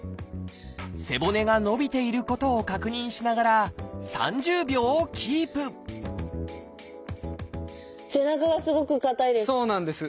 背骨が伸びていることを確認しながら３０秒キープ背中がすごく硬いです。